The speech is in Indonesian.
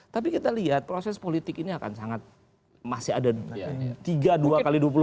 tapi kita lihat proses politik ini akan sangat masih ada tiga dua kali dua puluh empat jam